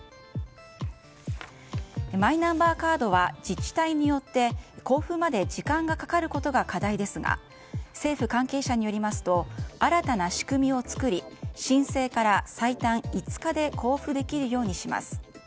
マイナンバーカードは自治体によって交付まで時間がかかることが課題ですが政府関係者によりますと新たな仕組みを作り申請から最短５日で交付できるようにします。